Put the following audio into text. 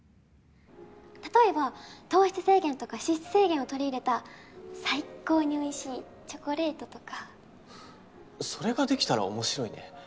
例えば糖質制限とか脂質制限を取り入れた最高においしいチョコレートとかそれができたら面白いね